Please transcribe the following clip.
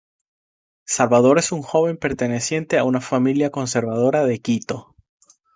Salvador es un joven perteneciente a una familia conservadora de Quito.